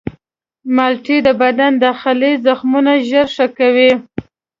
مالټې د بدن داخلي زخمونه ژر ښه کوي.